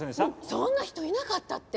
そんな人いなかったって！